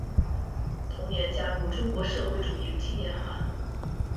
同年加入中国社会主义青年团。